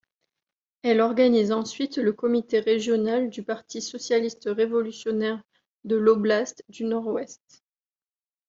Elle organise ensuite le comité régional du parti socialiste-révolutionnaire de loblast du Nord-Ouest.